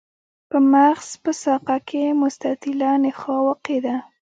په مغز په ساقه کې مستطیله نخاع واقع ده.